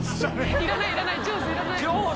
いらないいらない。